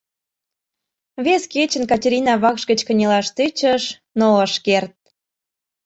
Вес кечын Катерина вакш гыч кынелаш тӧчыш, но ыш керт.